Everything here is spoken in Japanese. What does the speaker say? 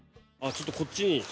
ちょっとこっちに。